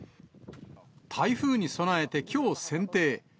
台風に備えて、きょうせん定。